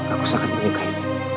aku sangat menyukai